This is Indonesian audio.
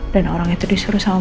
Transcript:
dan orang itu disuruh sama mama